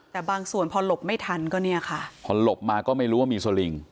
แต่บางส่วนพอหลบไม่ทันก็เนี่ยค่ะพอหลบมาก็ไม่รู้ว่ามีสลิง